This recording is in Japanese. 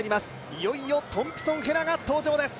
いよいよトンプソン・ヘラが登場です。